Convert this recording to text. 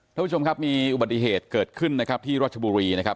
ท่านผู้ชมครับมีอุบัติเหตุเกิดขึ้นนะครับที่รัชบุรีนะครับ